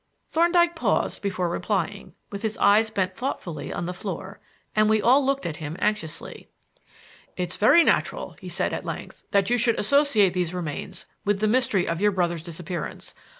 Thorndyke paused before replying, with his eyes bent thoughtfully on the floor, and we all looked at him anxiously. "It's very natural," he said at length, "that you should associate these remains with the mystery of your brother's disappearance.